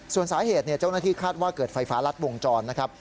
ส่วนสาเหตุเจ้าหน้าที่คาดว่าเกิดไฟฟ้ารัดวงจรนะครับ